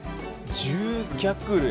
獣脚類。